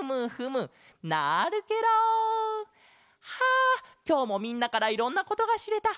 あきょうもみんなからいろんなことがしれた。